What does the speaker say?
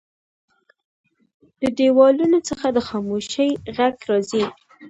له دیوالونو څخه د خاموشۍ غږ راځي.